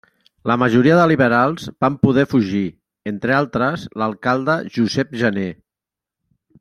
La majoria de liberals van poder fugir, entre altres, l'alcalde Josep Janer.